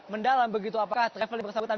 mendalam begitu apakah travel yang bersangkutan